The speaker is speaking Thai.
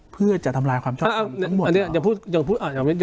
เพื่อจะทำรายความชอบอังกฤษอ่าอันเนี้ยอย่าพูดอย่าพูด